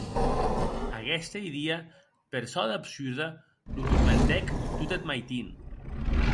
Aguesta idia, per çò d’absurda, lo tormentèc tot eth maitin.